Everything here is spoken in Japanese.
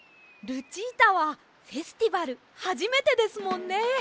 ルチータはフェスティバルはじめてですもんね。